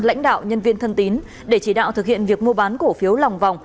lãnh đạo nhân viên thân tín để chỉ đạo thực hiện việc mua bán cổ phiếu lòng vòng